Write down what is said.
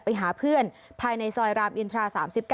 ไปหาเพื่อนภายในซอยรามอินทรา๓๙